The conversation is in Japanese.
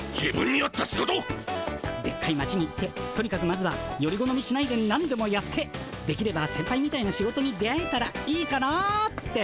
でっかい町に行ってとにかくまずはよりごのみしないでなんでもやってできればせんぱいみたいな仕事に出会えたらいいかなって。